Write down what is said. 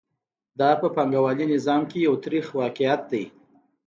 دا په پانګوالي نظام کې یو تریخ واقعیت دی